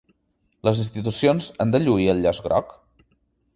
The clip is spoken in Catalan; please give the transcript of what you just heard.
Les institucions han de lluir el llaç groc?